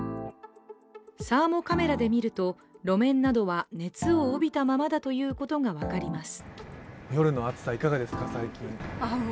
サーモカメラで見ると路面などは熱を帯びたままだということが分かります。